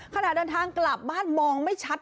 ขณะเดินทางกลับบ้านมองไม่ชัด